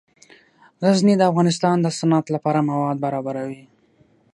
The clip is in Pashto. غزني د افغانستان د صنعت لپاره مواد برابروي.